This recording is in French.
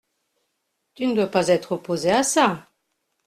Tu ne dois pas être opposée à ça ?…